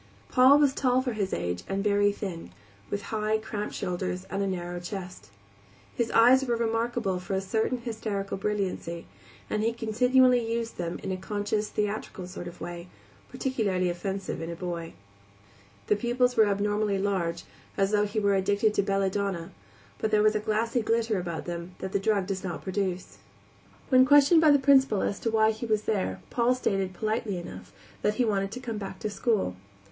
Paul was tall for his age and very thin, with high, cramped shoulders and a narrow chest. His eyes were remarkable for a certain hysterical brilliancy, and he continually used them in a conscious, theatrical sort of way, peculiarly offensive in a boy. The pupils were abnormally large, as though he were addicted to belladonna, but there was a glassy glitter about them which that drug does not produce. When questioned by the Principal as to why he was there Paul stated, politely enough, that he wanted to come back to school.